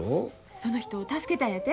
その人を助けたんやて？